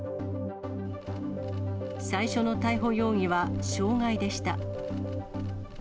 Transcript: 最初の逮捕容疑は傷害でした。